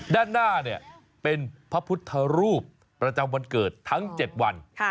ด้านหน้าเป็นพระพุทธรูปประจำวันเกิดทั้ง๗วัน